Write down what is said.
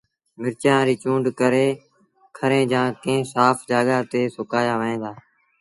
مرچآݩ ريٚ چُونڊ ڪري کري جآݩ ڪݩهݩ سآڦ جآڳآ تي سُڪآيآ وهن دآ